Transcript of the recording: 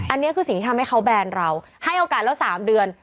อันนี้คือสิ่งที่ทำให้เขาแบนเราให้โอกาสแล้ว๓เดือน